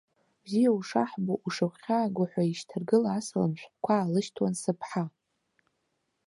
Бзиа ушаҳбо, ушыгәхьааго ҳәа еишьҭаргыла асалам шәҟәқәа аалышьҭуан сыԥҳа.